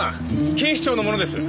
警視庁の者です。